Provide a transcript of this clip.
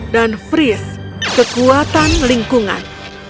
dan freeze kekuatan lingkungan